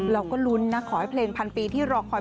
เราก็ลุ้นนะขอให้เพลงพันปีที่รอคอย